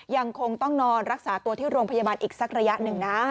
ยังคงต้องนอนรักษาตัวที่โรงพยาบาลอีกสักระยะหนึ่งนะ